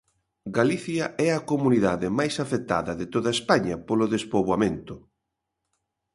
Galicia é a comunidade máis afectada de toda España polo despoboamento.